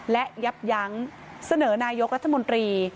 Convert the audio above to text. และยับยั้งเสนอนายกรัฐมนตรี